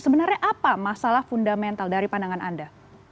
sebenarnya apa masalah fundamental dari pandangan anda